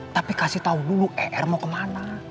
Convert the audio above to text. tapi kasih tahu dulu er mau kemana